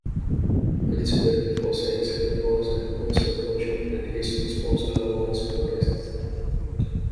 Elizabeth forsakes her divorce and puts her fortune at his disposal over his protests.